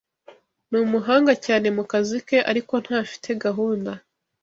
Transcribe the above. Ni umuhanga cyane mu kazi ke, ariko ntafite gahunda